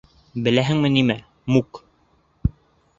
— Беләһеңме нимә, Мук?